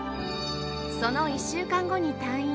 その１週間後に退院